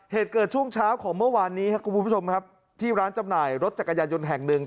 เหตุเกิดช่วงเช้าของเมื่อวานนี้ครับคุณผู้ชมครับที่ร้านจำหน่ายรถจักรยานยนต์แห่งหนึ่ง